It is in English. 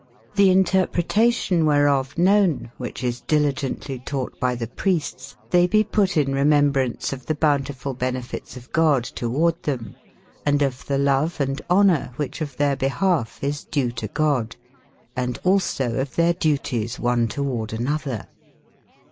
TTbe interpretation wberof know/ en, wbicbe is diligentlye taugbt by tbe priestes, tbey be put in remembraunce of tbe bountif ull benelites of God to warde tbem : and of tbe love & bonoure wbicbe of tbeire bebalf e is dewe to God : an d also of tb eir deu ties on e to warde an/ otber.